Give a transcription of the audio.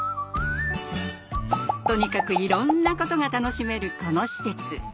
とにかくいろんなことが楽しめるこの施設。